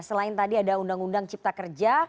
selain tadi ada undang undang cipta kerja